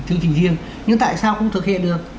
chương trình riêng nhưng tại sao không thực hiện được